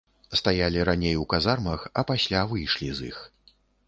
Стаялі раней у казармах, а пасля выйшлі з іх.